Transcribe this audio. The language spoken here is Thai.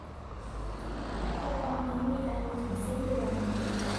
คูปองนี้มีอายุถึงสิ้นเดือน